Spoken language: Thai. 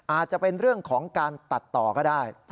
อาจจะเป็นเรื่องของการตัดต่อก็ได้